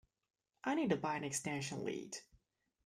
I need to buy an extension lead